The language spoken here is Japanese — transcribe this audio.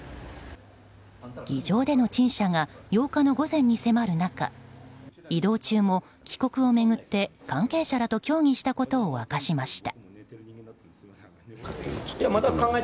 議場での陳謝が８日の午前に迫る中移動中も帰国を巡って関係者らと協議したことを明かしました。